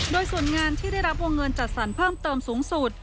โดยส่วนงานที่ได้รับวงเงินจัดสรรเพิ่มเติมสูงสุด